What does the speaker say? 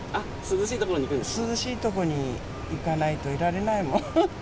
涼しい所に行かないといられないもん。